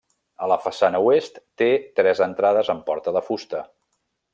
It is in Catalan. A la façana oest, té tres entrades amb porta de fusta.